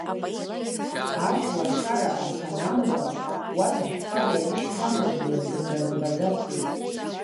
Ашәлашара асы анамуаз, уаҭәашәпара ианышьҭамлоз ӡынра рымбацызт.